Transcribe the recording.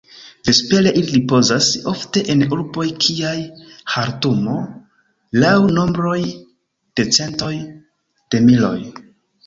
Vespere ili ripozas, ofte en urboj kiaj Ĥartumo, laŭ nombroj de centoj de miloj.